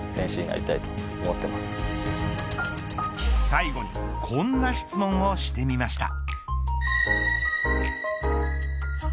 最後にこんな質問をしてみました。